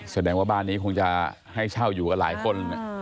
แสดงว่าบ้านนี้คงจะให้เช่าอยู่กับหลายคน